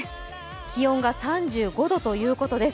気温が３５度ということです